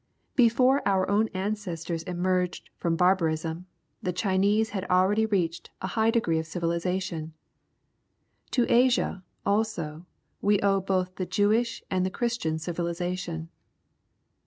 Before our own ancestors emerged from barbarism, the Chinese had already reached a high degree of civilization. To Asia, also, we owe both the Jewish and the Christian civilization.